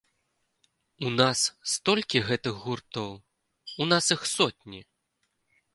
У нас столькі гэтых гуртоў, у нас іх сотні.